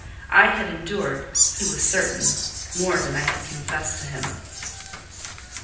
I had endured, he was certain, more than I had confessed to him.